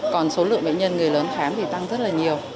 còn số lượng bệnh nhân người lớn khám thì tăng rất là nhiều